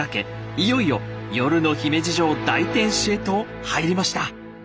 いよいよ夜の姫路城大天守へと入りました！